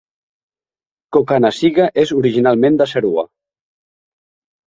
Cokanasiga és originalment de Serua.